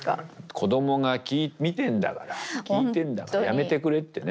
「子供が見てんだから聴いてんだからやめてくれ」ってね。